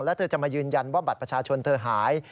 แล้วเธอจะมายืนยันว่าบัตรประชาชนเธอหาย